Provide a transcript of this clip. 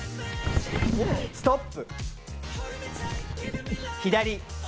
ストップ。